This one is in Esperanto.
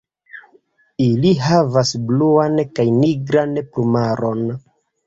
Ili havas bluan kaj nigran plumaron.